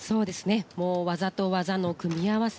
技と技の組み合わせ